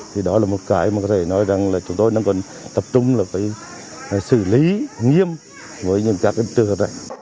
thì đó là một cái mà có thể nói rằng là chúng tôi đang còn tập trung là phải xử lý nghiêm với những các cái trường hợp này